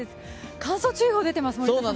乾燥注意報、出てます、森田さん。